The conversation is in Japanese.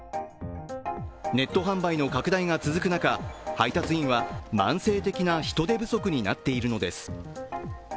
ネット販売の拡大が続く中、配達員は慢性的な人手不足になっているのです。